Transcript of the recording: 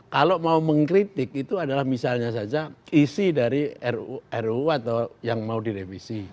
kalau mau mengkritik itu adalah misalnya saja isi dari ruu atau yang mau direvisi